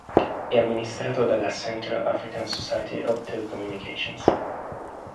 È amministrato dalla Central African Society of Telecommunications.